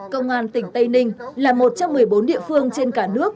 công an tỉnh tây ninh là một trong một mươi bốn địa phương trên cả nước